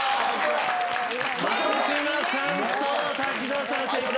松嶋さんと滝沢さん正解。